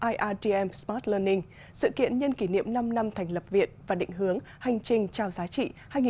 irdm smart learning sự kiện nhân kỷ niệm năm năm thành lập viện và định hướng hành trình trao giá trị hai nghìn hai mươi hai hai nghìn hai mươi